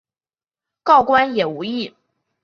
告官无益也。